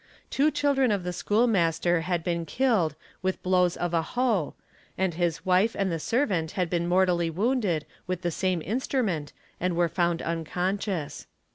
Two children of the school master had been killed with blows — of a hoe and his wife and the servant had been mortally wounded with the same instrument and were found unconscious.